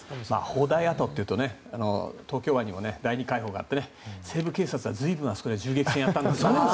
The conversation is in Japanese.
砲台跡というと東京湾にもあって西部警察は随分あそこで銃撃戦をやったんですよ。